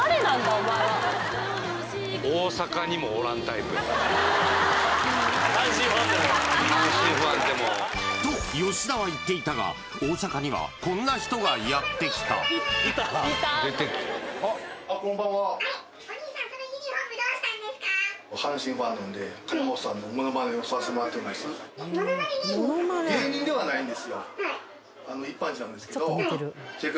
お前は阪神ファンでもと吉田は言っていたが大阪にはこんな人がやってきたこんばんははいなんですけど